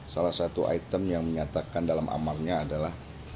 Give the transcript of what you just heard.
salah satu item yang menyatakan dalam amarnya adalah